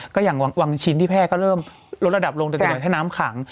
ก็อย่างวางชิ้นที่แพร่ก็เริ่มลดระดับลงโดยให้น้ำขัง